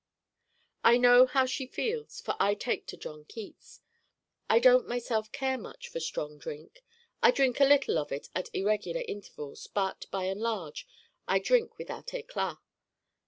I know how she feels for I take to John Keats. I don't myself care much for strong drink. I drink a little of it at irregular intervals, but, by and large, I drink without éclat.